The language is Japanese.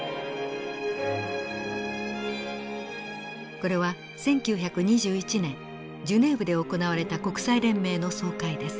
これは１９２１年ジュネーブで行われた国際連盟の総会です。